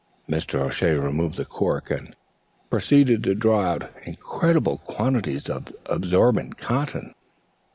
O'Shea removed the cork and proceeded to draw out incredible quantities of absorbent cotton.